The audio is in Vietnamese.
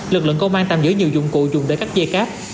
lực lượng công an tạm giữ nhiều dụng cụ dùng để cắt dây cáp